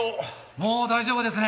もう大丈夫ですね！